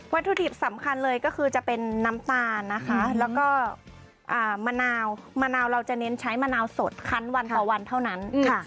ถุดิบสำคัญเลยก็คือจะเป็นน้ำตาลนะคะแล้วก็มะนาวมะนาวเราจะเน้นใช้มะนาวสดคันวันต่อวันเท่านั้น